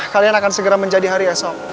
kalian akan segera menjadi hari esok